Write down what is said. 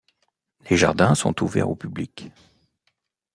Les jardins sont ouverts au public.